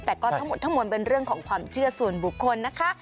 แต่ก็ทั้งหมดทั้งมวลเป็นเรื่องของความเชื่อส่วนบุคคลนะคะ